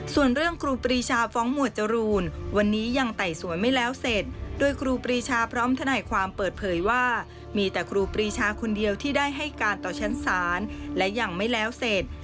ส่วนเรื่องครูปรีชาฟ้องหมวดจรูนวันนี้ยังไต่สวนไม่แล้วเสร็จโดยครูปรีชาพร้อมทนายความเปิดเผยว่ามีแต่ครูปรีชาคนเดียวที่ได้ให้การต่อชั้นศาลและยังไม่แล้วเสร็จ